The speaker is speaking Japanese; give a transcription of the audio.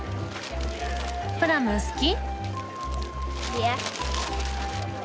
プラム好き？